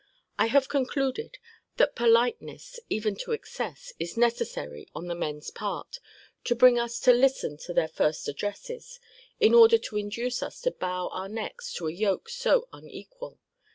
I have concluded, that politeness, even to excess, is necessary on the men's part, to bring us to listen to their first addresses, in order to induce us to bow our necks to a yoke so unequal.